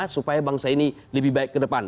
supaya bangsa ini lebih baik ke depan